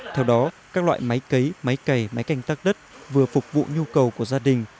theo đó các loại máy cấy máy cày máy canh tác đất vừa phục vụ nhu cầu của gia đình